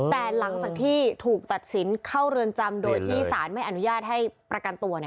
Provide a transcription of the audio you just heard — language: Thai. แต่หลังจากที่ถูกตัดสินเข้าเรือนจำโดยที่สารไม่อนุญาตให้ประกันตัว